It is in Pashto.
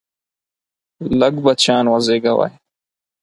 لږ بچیان وزیږوئ!